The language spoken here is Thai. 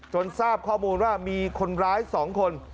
ทราบข้อมูลว่ามีคนร้าย๒คน